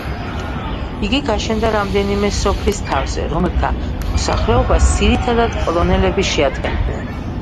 იგი გაშენდა რამდენიმე სოფლის თავზე, რომელთა მოსახლეობასაც ძირითადად პოლონელები შეადგენდნენ.